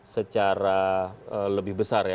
secara lebih besar ya